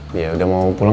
ya udah mau pulang